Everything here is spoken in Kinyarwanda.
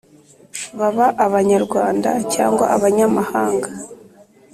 baba abanyarwanda cyangwa abanyamahanga